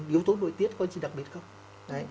yếu tố nổi tiếng có gì đặc biệt không